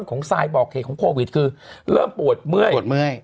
ต้นของไซบอร์เคของโควิดคือเริ่มปวดเมื่อย